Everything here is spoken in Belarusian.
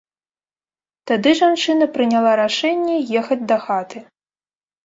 Тады жанчына прыняла рашэнне ехаць дахаты.